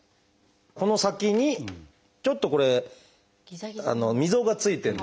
この先にちょっとこれ溝が付いてるんですけど。